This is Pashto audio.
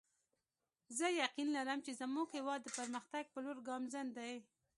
زه یقین لرم چې زموږ هیواد د پرمختګ په لور ګامزن دی